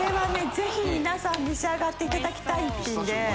ぜひ皆さん召し上がっていただきたい一品で。